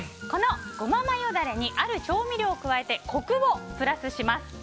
このゴママヨダレにある調味料を加えてコクをプラスします。